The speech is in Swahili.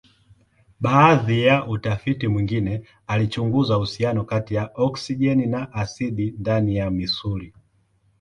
Baadhi ya utafiti mwingine alichunguza uhusiano kati ya oksijeni na asidi ndani ya misuli.